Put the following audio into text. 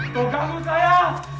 kau ganggu saya